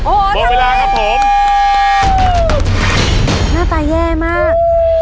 โอ้โหพอเวลาครับผมหน้าตายแย่มาก